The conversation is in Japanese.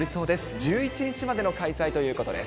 １１日までの開催ということです。